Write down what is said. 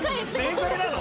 正解なの？